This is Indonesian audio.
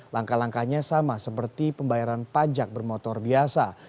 langkah langkahnya sama seperti pembayaran pajak bermotor biasa